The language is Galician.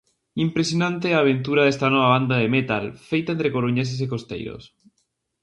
Impresionante a aventura desta nova banda de metal feita entre coruñeses e costeiros.